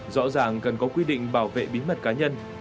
rõ ràng cần có quy định bảo vệ bí mật cá nhân